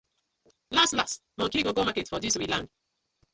Lass lass monkey go go market for dis we land.